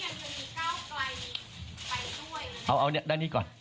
ถ้าใครได้เวลาข้อจำกัดศิลปะในการพูดคุยใดในการที่ไปเทียบเกินท่านเสาวอง